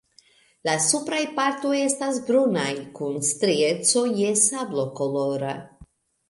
La supraj partoj estas brunaj kun strieco je sablokolora.